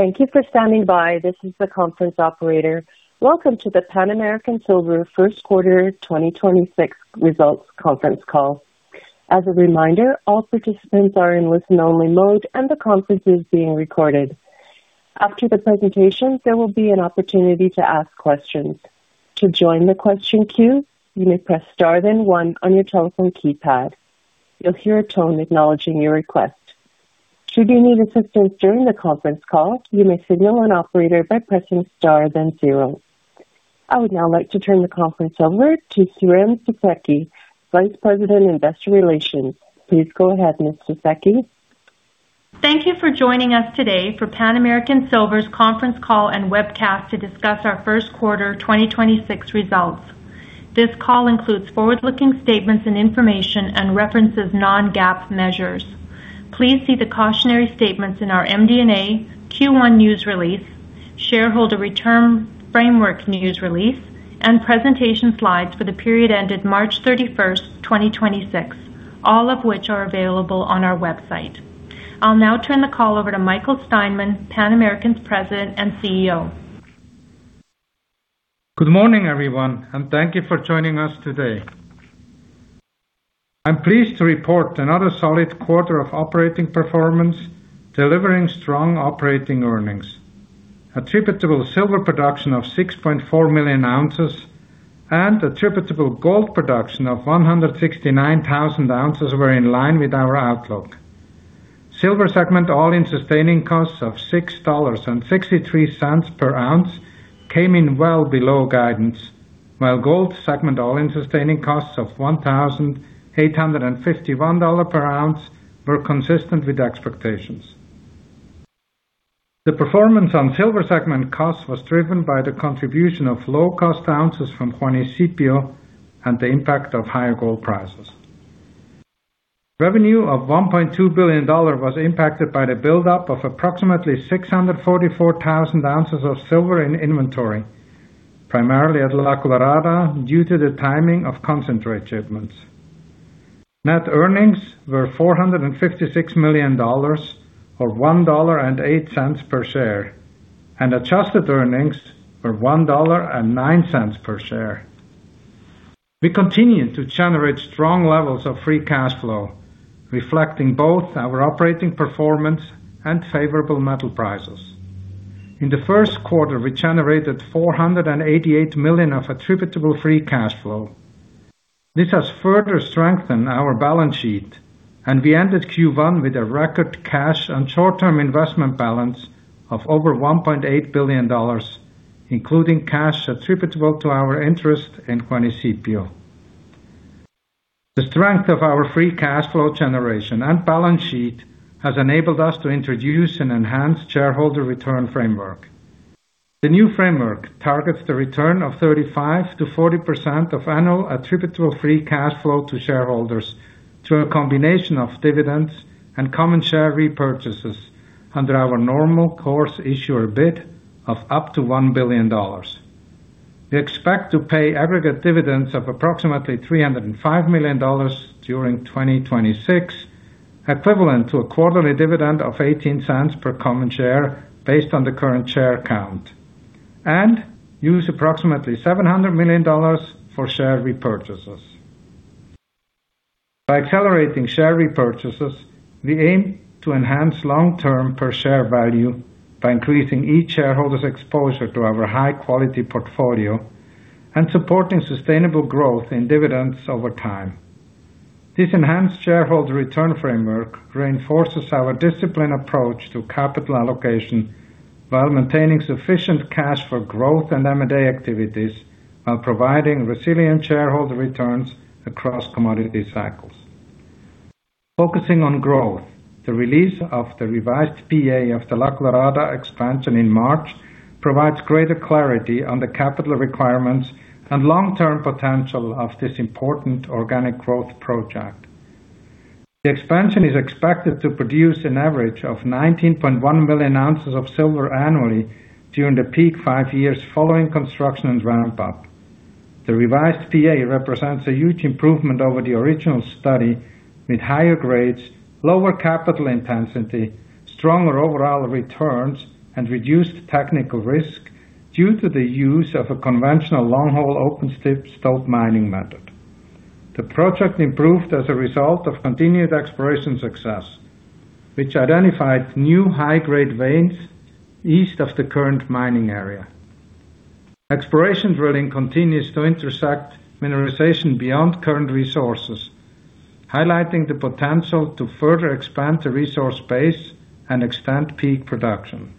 Thank you for standing by. This is the conference operator. Welcome to the Pan American Silver first quarter 2026 results conference call. As a reminder, all participants are in listen only mode, and the conference is being recorded. After the presentation, there will be an opportunity to ask questions. To join the question queue, you may press star then one on your telephone keypad. You'll hear a tone acknowledging your request. Should you need assistance during the conference call, you may signal an operator by pressing star then zero. I would now like to turn the conference over to Siren Fisekci, Vice President, Investor Relations. Please go ahead, Ms. Fisekci. Thank you for joining us today for Pan American Silver's conference call and webcast to discuss our first quarter 2026 results. This call includes forward-looking statements and information and references non-GAAP measures. Please see the cautionary statements in our MD&A Q1 news release, shareholder return framework news release, and presentation slides for the period ended March 31, 2026, all of which are available on our website. I'll now turn the call over to Michael Steinmann, Pan American's President and CEO. Good morning, everyone, and thank you for joining us today. I'm pleased to report another solid quarter of operating performance, delivering strong operating earnings. Attributable silver production of 6.4 million ounces and attributable gold production of 169,000 ounces were in line with our outlook. Silver segment all-in sustaining costs of $6.63 per ounce came in well below guidance, while gold segment all-in sustaining costs of $1,851 per ounce were consistent with expectations. The performance on silver segment costs was driven by the contribution of low-cost ounces from Juanicipio and the impact of higher gold prices. Revenue of $1.2 billion was impacted by the buildup of approximately 644,000 ounces of silver in inventory, primarily at La Colorada due to the timing of concentrate shipments. Net earnings were $456 million, or $1.08 per share, and adjusted earnings were $1.09 per share. We continue to generate strong levels of free cash flow, reflecting both our operating performance and favorable metal prices. In the first quarter, we generated $488 million of attributable free cash flow. This has further strengthened our balance sheet, and we ended Q1 with a record cash and short-term investment balance of over $1.8 billion, including cash attributable to our interest in Juanicipio. The strength of our free cash flow generation and balance sheet has enabled us to introduce an enhanced shareholder return framework. The new framework targets the return of 35%-40% of annual attributable free cash flow to shareholders through a combination of dividends and common share repurchases under our normal course issuer bid of up to $1 billion. We expect to pay aggregate dividends of approximately $305 million during 2026, equivalent to a quarterly dividend of $0.18 per common share based on the current share count, and use approximately $700 million for share repurchases. By accelerating share repurchases, we aim to enhance long-term per share value by increasing each shareholder's exposure to our high-quality portfolio and supporting sustainable growth in dividends over time. This enhanced shareholder return framework reinforces our disciplined approach to capital allocation while maintaining sufficient cash for growth and M&A activities while providing resilient shareholder returns across commodity cycles. Focusing on growth, the release of the revised PEA of the La Colorada expansion in March provides greater clarity on the capital requirements and long-term potential of this important organic growth project. The expansion is expected to produce an average of 19.1 million ounces of silver annually during the peak five years following construction and ramp up. The revised PEA represents a huge improvement over the original study with higher grades, lower capital intensity, stronger overall returns, and reduced technical risk due to the use of a conventional long-hole open stope mining method. The project improved as a result of continued exploration success, which identified new high-grade veins east of the current mining area. Exploration drilling continues to intersect mineralization beyond current resources, highlighting the potential to further expand the resource base and extend peak production.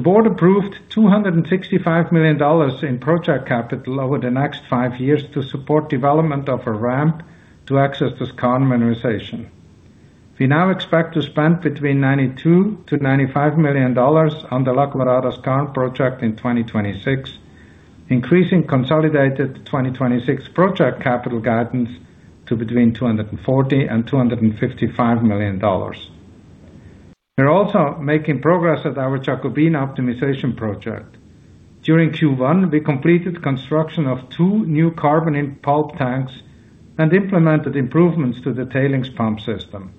The board approved $265 million in project capital over the next five years to support development of a ramp to access the skarn mineralization. We now expect to spend between $92 million-$95 million on the La Colorada skarn project in 2026, increasing consolidated 2026 project capital guidance to between $240 million and $255 million. We're also making progress with our Jacobina optimization project. During Q1, we completed construction of two new carbon-in-pulp tanks and implemented improvements to the tailings pump system.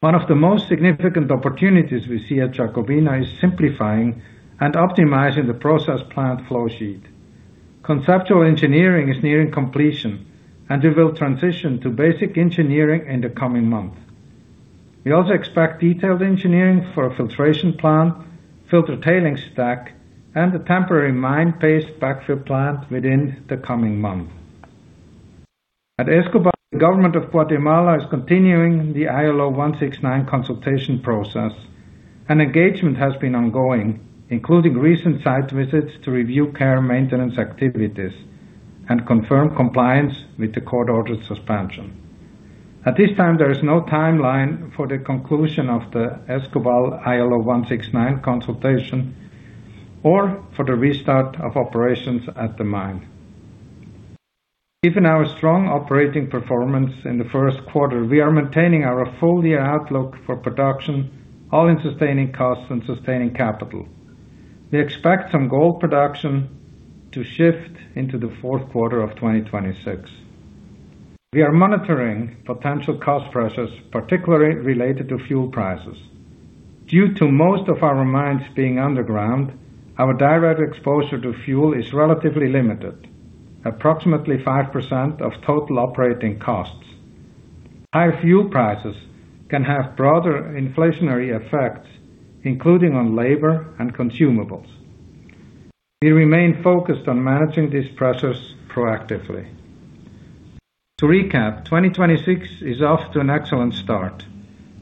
One of the most significant opportunities we see at Jacobina is simplifying and optimizing the process plant flow sheet. Conceptual engineering is nearing completion, and we will transition to basic engineering in the coming month. We also expect detailed engineering for a filtration plant, filter tailings stack, and the temporary mine paste backfill plant within the coming month. At Escobal, the government of Guatemala is continuing the ILO 169 consultation process. An engagement has been ongoing, including recent site visits to review care maintenance activities and confirm compliance with the court-ordered suspension. At this time, there is no timeline for the conclusion of the Escobal ILO 169 consultation or for the restart of operations at the mine. Given our strong operating performance in the first quarter, we are maintaining our full-year outlook for production, all-in sustaining costs and sustaining capital. We expect some gold production to shift into the fourth quarter of 2026. We are monitoring potential cost pressures, particularly related to fuel prices. Due to most of our mines being underground, our direct exposure to fuel is relatively limited, approximately 5% of total operating costs. High fuel prices can have broader inflationary effects, including on labor and consumables. We remain focused on managing these pressures proactively. To recap, 2026 is off to an excellent start.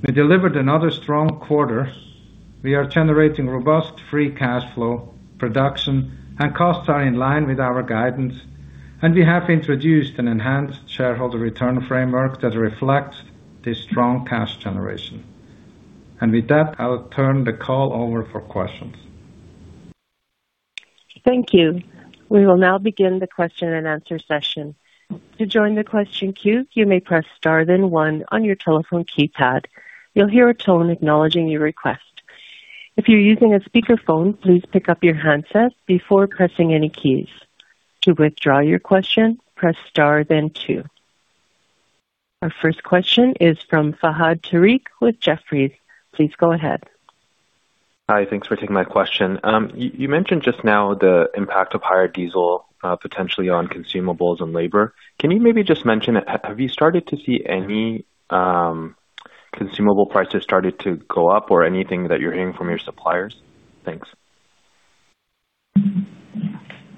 We delivered another strong quarter. We are generating robust free cash flow, production, and costs are in line with our guidance, and we have introduced an enhanced shareholder return framework that reflects this strong cash generation. With that, I'll turn the call over for questions. Thank you. We will now begin the question-and-answer session. To join the question queue, you may press star then one on your telephone keypad. You'll hear a tone acknowledging your request. If you're using a speakerphone, please pick up your handset before pressing any keys. To withdraw your question, press star then two. Our first question is from Fahad Tariq with Jefferies. Please go ahead. Hi. Thanks for taking my question. You mentioned just now the impact of higher diesel potentially on consumables and labor. Can you maybe just mention, have you started to see any consumable prices started to go up or anything that you're hearing from your suppliers? Thanks.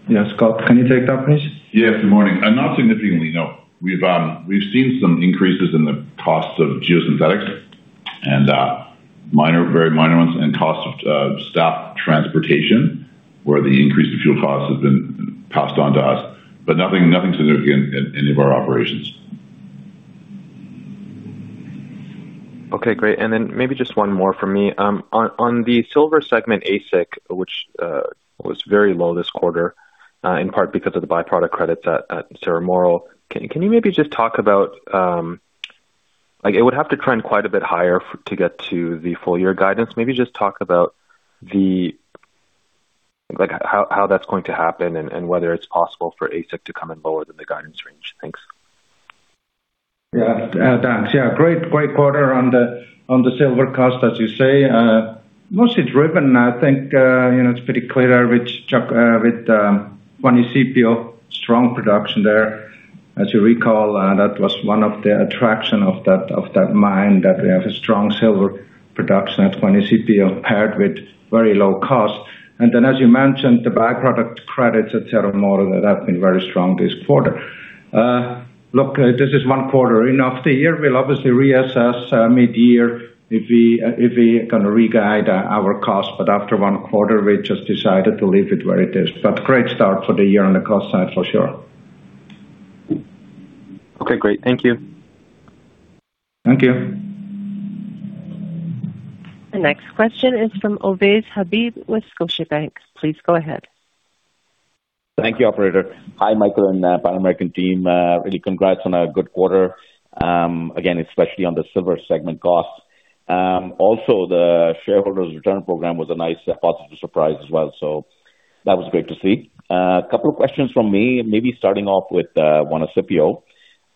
Yes. Scott, can you take that, please? Yeah. Good morning. Not significantly, no. We've seen some increases in the cost of geosynthetics and very minor ones and cost of staff transportation, where the increase in fuel costs have been passed on to us, but nothing significant at any of our operations. Okay, great. Then maybe just one more from me. On the silver segment AISC, which was very low this quarter, in part because of the byproduct credits at Cerro Moro. Can you maybe just talk about, like it would have to trend quite a bit higher to get to the full year guidance. Maybe just talk about the Like how that's going to happen and whether it's possible for AISC to come in lower than the guidance range. Thanks. Yeah. Thanks. Yeah, great quarter on the silver cost, as you say. Mostly driven, I think, you know, it's pretty clear with Juanicipio, strong production there. As you recall, that was one of the attraction of that mine, that we have a strong silver production at Juanicipio paired with very low cost. As you mentioned, the byproduct credits at Cerro Moro that have been very strong this quarter. Look, this is one quarter. End of the year, we'll obviously reassess mid-year if we gonna re-guide our cost. After one quarter, we just decided to leave it where it is. Great start for the year on the cost side for sure. Okay, great. Thank you. Thank you. The next question is from Ovais Habib with Scotiabank. Please go ahead. Thank you, operator. Hi, Michael and Pan American Silver team. Really congrats on a good quarter. Again, especially on the silver segment cost. Also the shareholders' return program was a nice positive surprise as well. That was great to see. A couple of questions from me, maybe starting off with Juanicipio.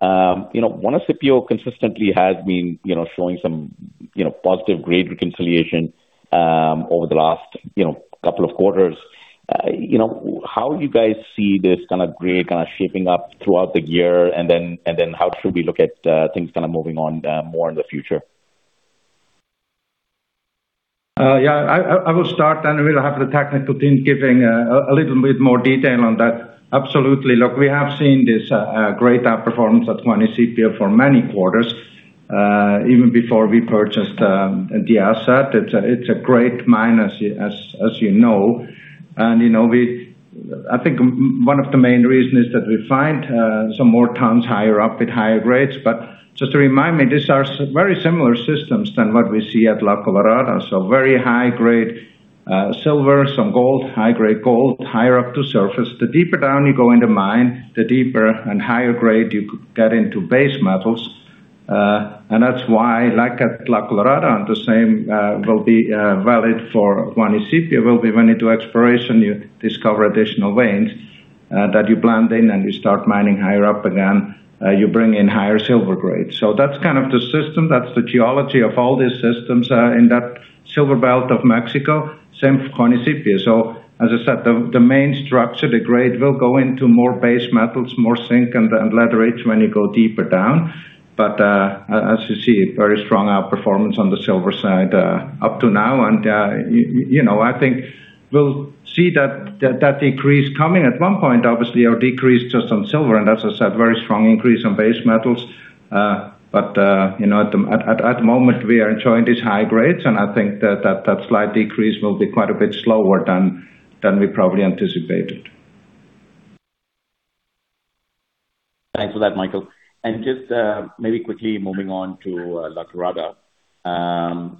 You know, Juanicipio consistently has been, you know, showing some, you know, positive grade reconciliation over the last, you know, couple of quarters. You know, how do you guys see this kind of grade kind of shaping up throughout the year? How should we look at things kind of moving on more in the future? Yeah. I will start, we'll have the technical team giving a little bit more detail on that. Absolutely. Look, we have seen this great outperformance at Juanicipio for many quarters, even before we purchased the asset. It's a great mine, as you know. You know, I think one of the main reasons is that we find some more tons higher up with higher grades. Just to remind me, these are very similar systems than what we see at La Colorada. Very high grade, silver, some gold, high-grade gold, higher up to surface. The deeper down you go in the mine, the deeper and higher grade you get into base metals. That's why, like at La Colorada, and the same will be valid for Guanaceví will be when you do exploration, you discover additional veins that you blend in and you start mining higher up again, you bring in higher silver grades. That's kind of the system, that's the geology of all these systems in that silver belt of Mexico, same for Guanaceví. As I said, the main structure, the grade will go into more base metals, more zinc and lead grades when you go deeper down. As you see, very strong outperformance on the silver side up to now. You know, I think we'll see that decrease coming at one point, obviously, or decrease just on silver and as I said, very strong increase on base metals. you know, at the moment we are enjoying these high grades, and I think that slight decrease will be quite a bit slower than we probably anticipated. Thanks for that, Michael. Just maybe quickly moving on to La Colorada.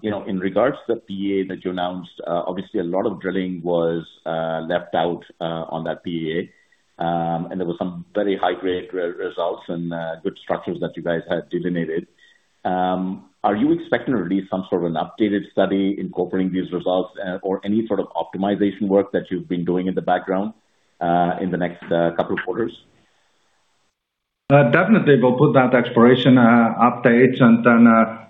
You know, in regards to the PEA that you announced, obviously a lot of drilling was left out on that PEA. There were some very high-grade re-results and good structures that you guys have delineated. Are you expecting to release some sort of an updated study incorporating these results, or any sort of optimization work that you've been doing in the background, in the next couple of quarters? Definitely we'll put that exploration update and then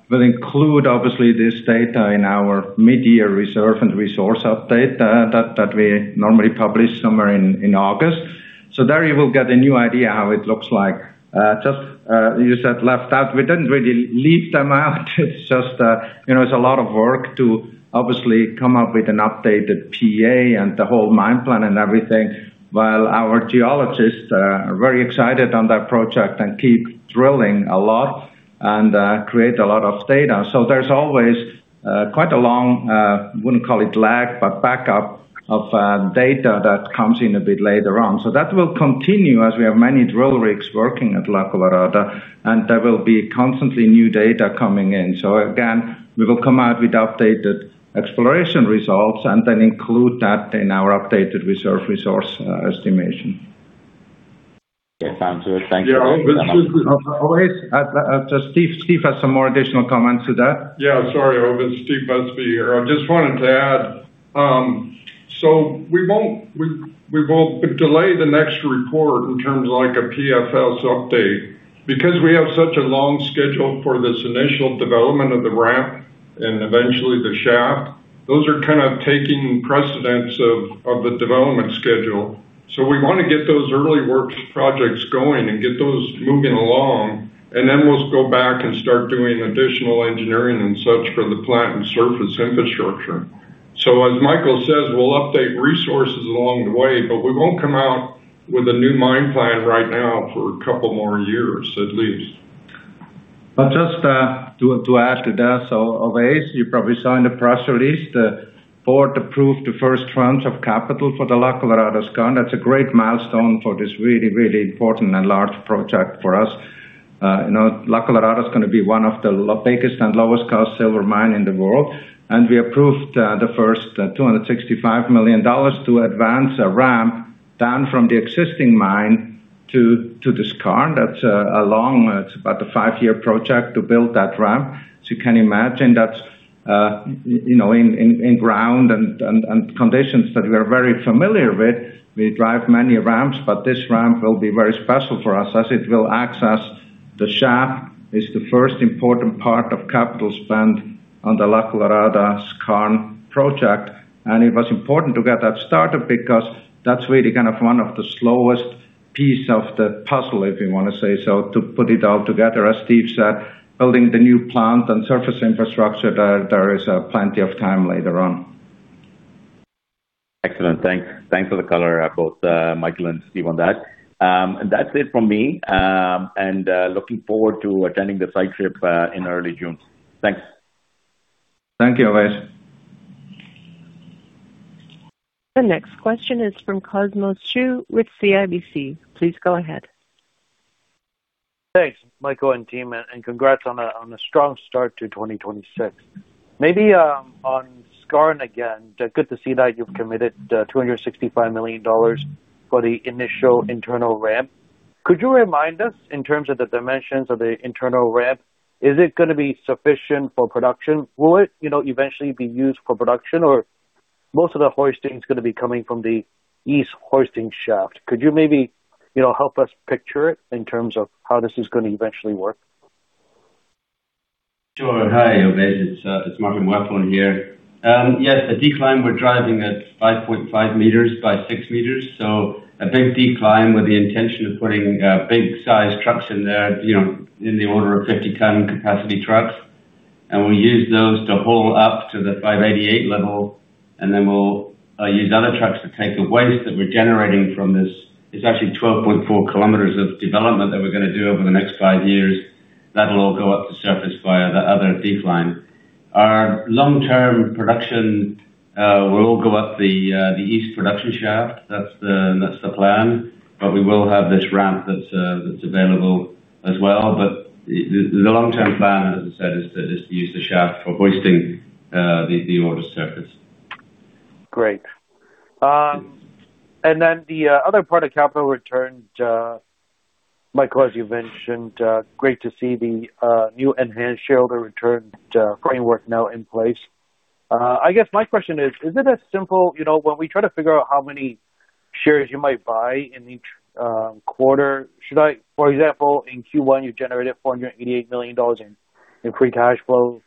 we'll include obviously this data in our mid-year reserve and resource update that we normally publish somewhere in August. There you will get a new idea how it looks like. Just you said left out. We didn't really leave them out. It's just, you know, it's a lot of work to obviously come up with an updated PEA and the whole mine plan and everything, while our geologists are very excited on that project and keep drilling a lot and create a lot of data. There's always quite a long, wouldn't call it lag, but backup of data that comes in a bit later on. That will continue as we have many drill rigs working at La Colorada, and there will be constantly new data coming in. Again, we will come out with updated exploration results and then include that in our updated reserve resource estimation. Okay. Sounds good. Thanks for that, Michael. Yeah— Ovais, Steve has some more additional comments to that. Yeah. Sorry, Ovais. Steve Busby here. I just wanted to add, we won't delay the next report in terms of like a PFS update because we have such a long schedule for this initial development of the ramp and eventually the shaft. Those are kind of taking precedence of the development schedule. We wanna get those early work projects going and get those moving along, and then we'll go back and start doing additional engineering and such for the plant and surface infrastructure. As Michael says, we'll update resources along the way, but we won't come out with a new mine plan right now for a couple more years at least. Just to add to that, so Ovais, you probably saw in the press release, the board approved the first tranche of capital for the La Colorada skarn. That's a great milestone for this really important and large project for us. You know, La Colorada is going to be one of the biggest and lowest cost silver mine in the world, and we approved the first $265 million to advance a ramp down from the existing mine to the skarn. That's a long, it's about a five-year project to build that ramp. You can imagine that, you know, in ground and conditions that we're very familiar with, we drive many ramps, but this ramp will be very special for us as it will access the shaft. It's the first important part of capital spend on the La Colorada skarn project. It was important to get that started because that's really kind of one of the slowest piece of the puzzle, if you wanna say so, to put it all together. As Steve said, building the new plant and surface infrastructure there is plenty of time later on. Excellent. Thanks for the color, both Michael and Steve on that. That's it from me. Looking forward to attending the site trip in early June. Thanks. Thank you, Ovais. The next question is from Cosmos Chiu with CIBC. Please go ahead. Thanks, Michael and team, and congrats on a strong start to 2026. Maybe, on skarn again, good to see that you've committed $265 million for the initial internal ramp. Could you remind us in terms of the dimensions of the internal ramp, is it gonna be sufficient for production? Will it, you know, eventually be used for production or most of the hoisting is gonna be coming from the east production shaft? Could you maybe, you know, help us picture it in terms of how this is gonna eventually work? Sure. Hi, Ovais. It's Martin Wafforn here. Yes, the decline we're driving at 5.5 m by 6 m, so a big decline with the intention of putting big sized trucks in there, in the order of 50 ton capacity trucks. We use those to haul up to the 588 level, and then we'll use other trucks to take the waste that we're generating from this. It's actually 12.4 km of development that we're gonna do over the next five years. That'll all go up to surface via the other decline. Our long-term production will all go up the east production shaft. That's the plan. We will have this ramp that's available as well. The long-term plan, as I said, is to use the shaft for hoisting, the ore to surface. Great. The other part of capital returns, Michael, as you mentioned, great to see the new enhanced shareholder return framework now in place. I guess my question is it as simple, you know, when we try to figure out how many shares you might buy in each quarter, for example, in Q1, you generated $488 million in free cash flow.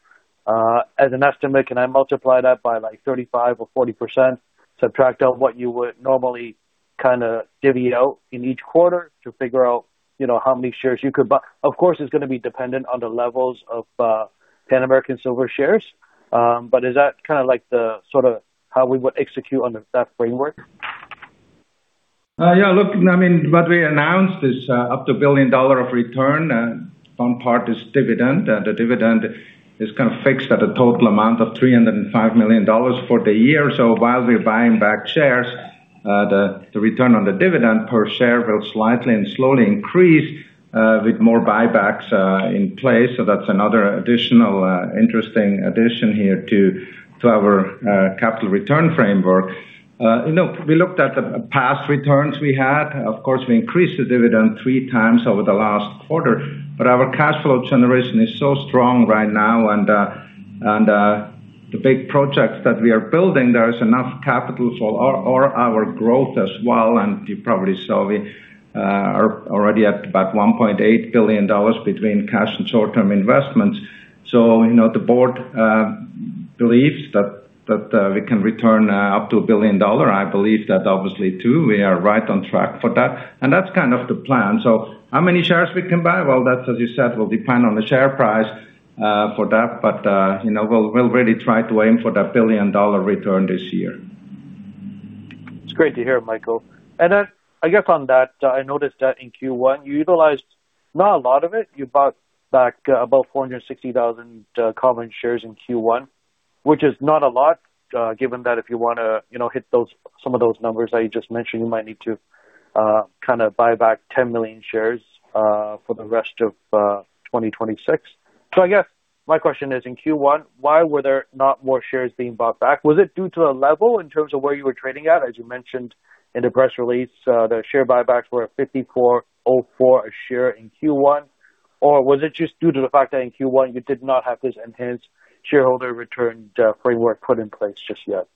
As an estimate, can I multiply that by, like, 35% or 40%, subtract out what you would normally kinda divvy out in each quarter to figure out, you know, how many shares you could buy? Of course, it's gonna be dependent on the levels of Pan American Silver shares, is that kinda, like, the sorta how we would execute under that framework? Yeah, look, I mean, what we announced is up to $1 billion of return, and some part is dividend. The dividend is kind of fixed at a total amount of $305 million for the year. While we're buying back shares, the return on the dividend per share will slightly and slowly increase with more buybacks in place. That's another additional interesting addition here to our capital return framework. You know, we looked at the past returns we had. Of course, we increased the dividend three times over the last quarter. Our cash flow generation is so strong right now and the big projects that we are building, there is enough capital for our growth as well. You probably saw we are already at about $1.8 billion between cash and short-term investments. You know, the board believes that we can return up to $1 billion. I believe that obviously too. We are right on track for that. That's kind of the plan. How many shares we can buy? Well, that's, as you said, will depend on the share price for that. You know, we'll really try to aim for that billion-dollar return this year. It's great to hear, Michael. I guess on that, I noticed that in Q1, you utilized not a lot of it. You bought back about 460,000 common shares in Q1, which is not a lot, given that if you want to, you know, hit those, some of those numbers that you just mentioned, you might need to kind of buy back 10 million shares for the rest of 2026. I guess my question is, in Q1, why were there not more shares being bought back? Was it due to a level in terms of where you were trading at, as you mentioned in the press release, the share buybacks were at $54.04 a share in Q1? Was it just due to the fact that in Q1 you did not have this enhanced shareholder return framework put in place just yet?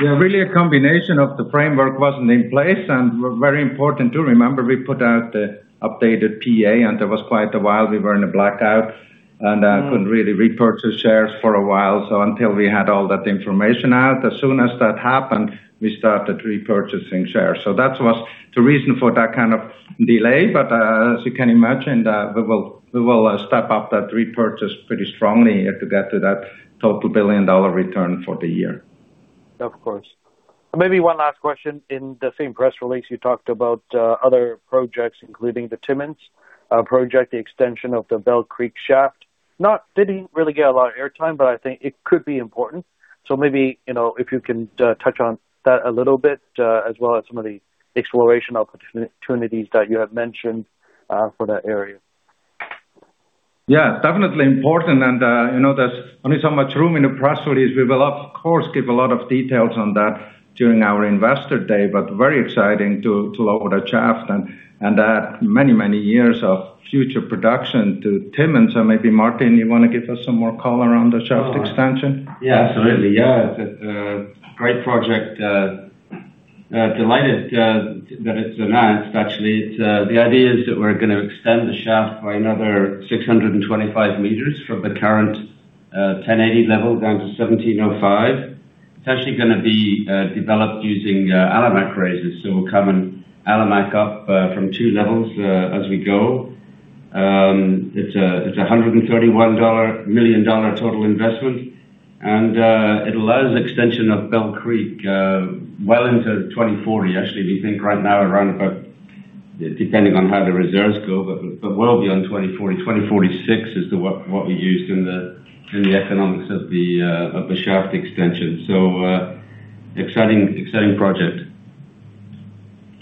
Yeah, really a combination of the framework wasn't in place. Very important too. Remember, we put out the updated PEA. There was quite a while we were in a blackout, couldn't really repurchase shares for a while. Until we had all that information out, as soon as that happened, we started repurchasing shares. That was the reason for that kind of delay. As you can imagine, we will step up that repurchase pretty strongly to get to that total billion-dollar return for the year. Of course. Maybe one last question. In the same press release, you talked about other projects, including the Timmins project, the extension of the Bell Creek shaft. Not getting really get a lot of airtime, but I think it could be important. Maybe, you know, if you can touch on that a little bit, as well as some of the exploration opportunities that you have mentioned for that area. Yeah, definitely important and, you know, there's only so much room in the press release. We will of course give a lot of details on that during our investor day, but very exciting to lower the shaft and many years of future production to Timmins. Maybe Martin, you wanna give us some more color on the shaft extension? Absolutely. It's a great project. Delighted that it's announced actually. It's the idea is that we're gonna extend the shaft by another 625 m from the current 1080 level down to 1705. It's actually gonna be developed using Alimak raises. We'll come and Alimak up from two levels as we go. It's a $131 million total investment. It allows extension of Bell Creek well into 2040. Actually, we think right now around about, depending on how the reserves go, well beyond 2040. 2046 is the what we used in the economics of the shaft extension. Exciting project.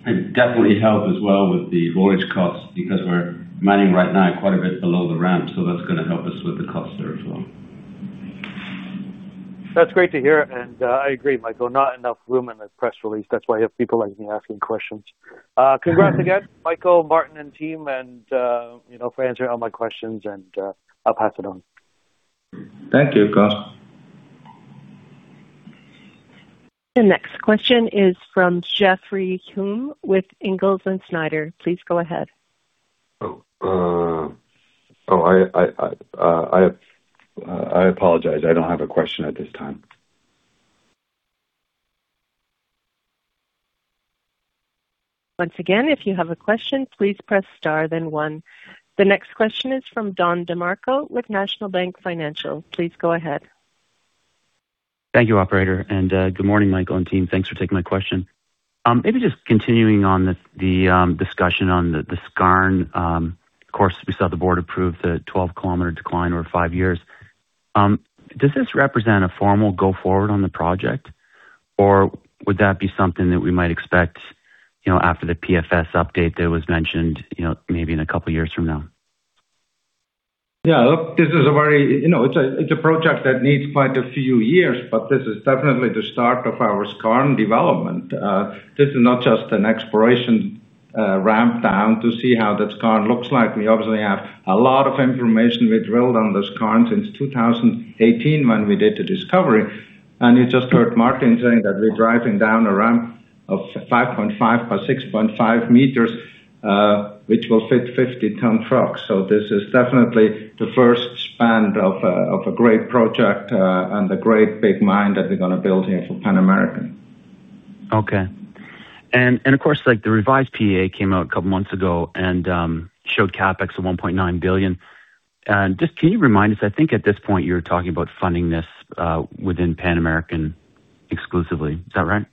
It definitely help as well with the haulage costs because we're mining right now quite a bit below the ramp, so that's gonna help us with the costs there as well. That's great to hear. I agree, Michael, not enough room in this press release. That's why you have people like me asking questions. Congrats again, Michael, Martin and team and you know, for answering all my questions and I'll pass it on. Thank you, Cosmos. The next question is from Geoffrey Hulme with Ingalls & Snyder. Please go ahead. Oh, I apologize. I don't have a question at this time. Once again, if you have a question, please press star then one. The next question is from Don DeMarco with National Bank Financial. Please go ahead. Thank you, operator. Good morning, Michael and team. Thanks for taking my question. Maybe just continuing on the discussion on the skarn. Of course, we saw the board approve the 12-km decline over five years. Does this represent a formal go-forward on the project? Or would that be something that we might expect, you know, after the PFS update that was mentioned, you know, maybe in a couple of years from now? This is a very, it's a project that needs quite a few years, but this is definitely the start of our skarn development. This is not just an exploration ramp down to see how that skarn looks like. We obviously have a lot of information. We drilled on those skarns since 2018 when we did the discovery. You just heard Martin saying that we're driving down a ramp of 5.5 m by 6.5 m, which will fit 50-ton trucks. This is definitely the first span of a great project and a great big mine that we're gonna build here for Pan American. Okay. Of course, like the revised PEA came out a couple months ago and showed CapEx of $1.9 billion. Just can you remind us, I think at this point you're talking about funding this within Pan American exclusively. Is that right?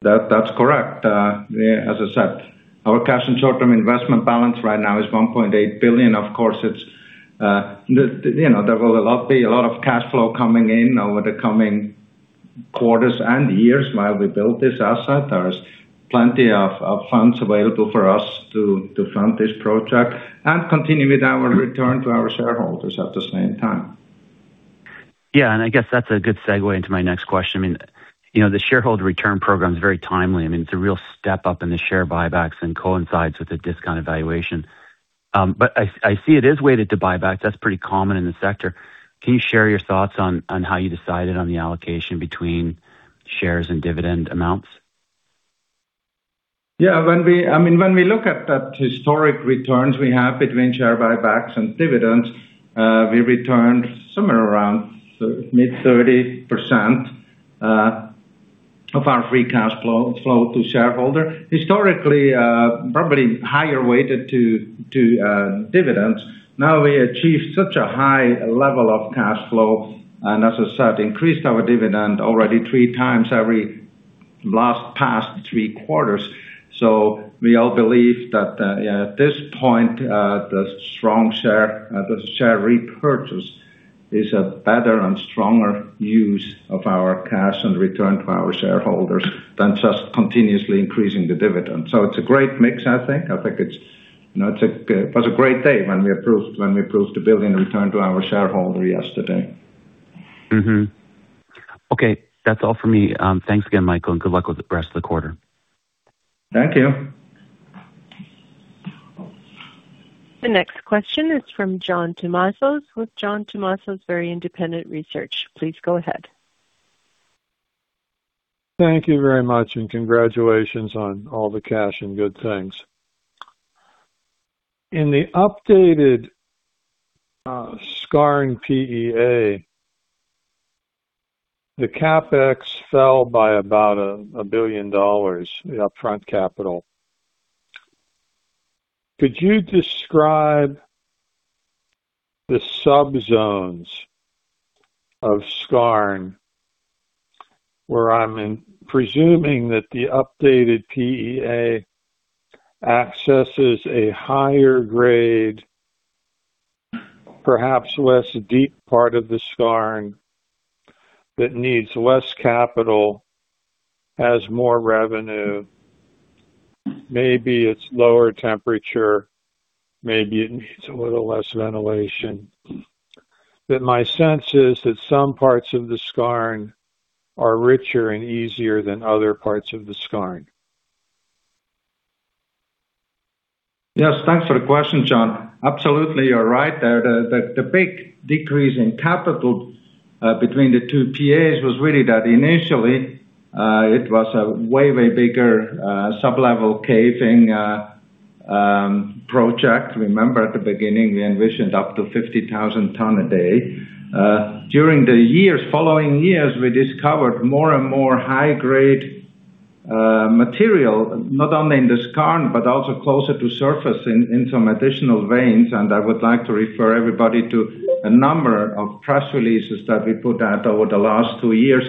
That's correct. Yeah, as I said, our cash and short-term investment balance right now is $1.8 billion. Of course, it's, you know, there will a lot be a lot of cash flow coming in over the coming quarters and years while we build this asset. There's plenty of funds available for us to fund this project and continue with our return to our shareholders at the same time. I guess that's a good segue into my next question. I mean, you know, the shareholder return program is very timely. I mean, it's a real step up in the share buybacks and coincides with a discount evaluation. I see it is weighted to buyback. That's pretty common in the sector. Can you share your thoughts on how you decided on the allocation between shares and dividend amounts? Yeah. When we look at that historic returns we have between share buybacks and dividends, we returned somewhere around mid 30% of our free cash flow to shareholder. Historically, probably higher weighted to dividends. We achieved such a high level of cash flow, and as I said, increased our dividend already 3x every last past three quarters. We all believe that, yeah, at this point, the strong share repurchase is a better and stronger use of our cash and return to our shareholders than just continuously increasing the dividend. It's a great mix, I think. I think it's, you know, it was a great day when we approved the $1 billion return to our shareholder yesterday. Okay. That's all for me. Thanks again, Michael, and good luck with the rest of the quarter. Thank you. The next question is from John Tumazos with John Tumazos Very Independent Research. Please go ahead. Thank you very much, congratulations on all the cash and good things. In the updated skarn PEA, the CapEx fell by about $1 billion, the upfront capital. Could you describe the subzones of skarn, where I'm presuming that the updated PEA accesses a higher grade, perhaps less deep part of the skarn that needs less capital, has more revenue. Maybe it's lower temperature, maybe it needs a little less ventilation. My sense is that some parts of the skarn are richer and easier than other parts of the skarn. Yes. Thanks for the question, John. Absolutely, you're right there. The big decrease in capital between the two PEAs was really that initially it was a way bigger sub-level caving project. Remember at the beginning, we envisioned up to 50,000 ton a day. During the years, following years, we discovered more and more high grade material, not only in the skarn, but also closer to surface in some additional veins. I would like to refer everybody to a number of press releases that we put out over the last two years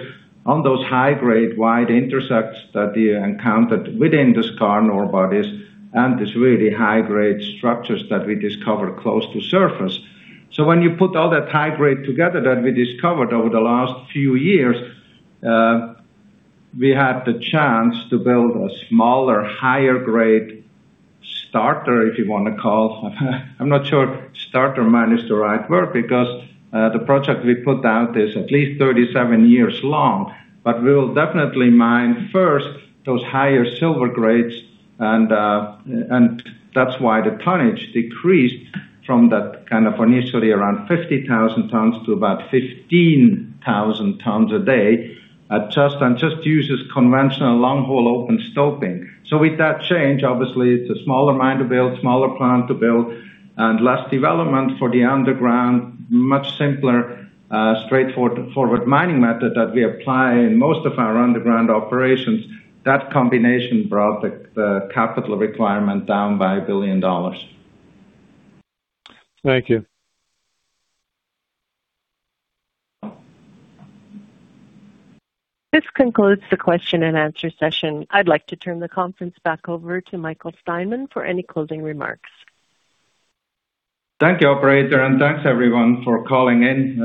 on those high grade wide intersects that we encountered within the skarn ore bodies and these really high grade structures that we discovered close to surface. When you put all that high grade together that we discovered over the last few years, we had the chance to build a smaller, higher grade starter, if you want to call. I'm not sure starter mine is the right word because the project we put out is at least 37 years long. We'll definitely mine first those higher silver grades, and that's why the tonnage decreased from that kind of initially around 50,000 tons to about 15,000 tons a day. It just uses conventional long-hole open stoping. With that change, obviously it's a smaller mine to build, smaller plant to build, and less development for the underground. Much simpler, straightforward mining method that we apply in most of our underground operations. That combination brought the capital requirement down by $1 billion. Thank you. This concludes the question and answer session. I'd like to turn the conference back over to Michael Steinmann for any closing remarks. Thank you, operator, and thanks everyone for calling in.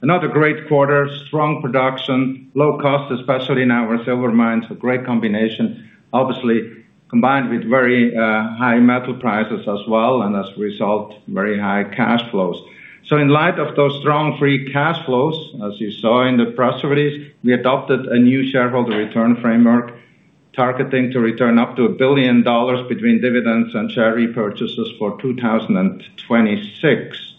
Another great quarter, strong production, low cost, especially in our silver mines, a great combination. Obviously, combined with very high metal prices as well, and as a result, very high cash flows. In light of those strong free cash flows, as you saw in the press release, we adopted a new shareholder return framework targeting to return up to $1 billion between dividends and share repurchases for 2026.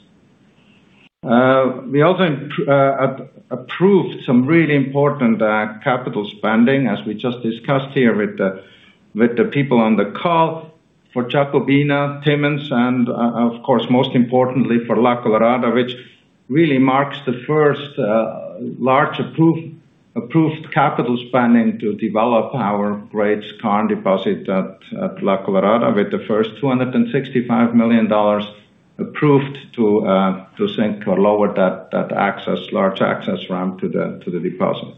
We also approved some really important capital spending, as we just discussed here with the people on the call for Jacobina, Timmins, and of course, most importantly for La Colorada, which really marks the first large approved capital spending to develop our great skarn deposit at La Colorada with the first $265 million approved to sink or lower that access, large access ramp to the deposit.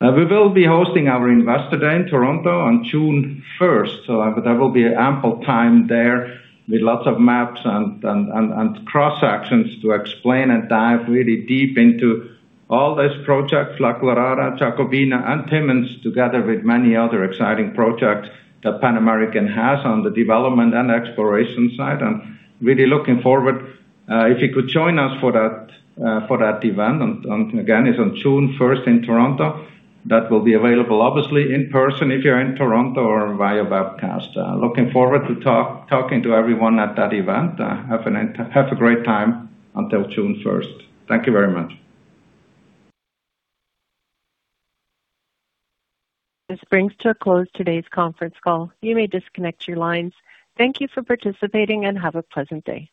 We will be hosting our Investor Day in Toronto on June 1. There will be ample time there with lots of maps and cross-sections to explain and dive really deep into all these projects, La Colorada, Jacobina, and Timmins, together with many other exciting projects that Pan American has on the development and exploration side. I'm really looking forward, if you could join us for that, for that event on. Again, it's on June first in Toronto. That will be available obviously in person if you're in Toronto or via webcast. Looking forward to talking to everyone at that event. Have a great time until June first. Thank you very much. This brings to a close today's conference call. You may disconnect your lines. Thank you for participating, and have a pleasant day.